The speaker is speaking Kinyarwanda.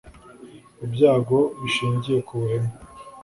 imbago zishingiye ku buhemu